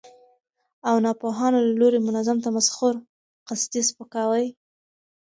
او ناپوهانو له لوري منظم تمسخر، قصدي سپکاوي،